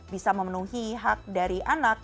bisa memenuhi hak dari anak